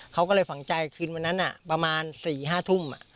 เขาก็เลยฝังใจคืนวันนั้นอ่ะประมาณสี่ห้าทุ่มอ่ะ